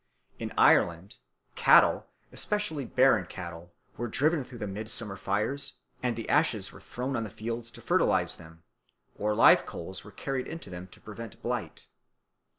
In Ireland cattle, especially barren cattle, were driven through the midsummer fires, and the ashes were thrown on the fields to fertilise them, or live coals were carried into them to prevent blight.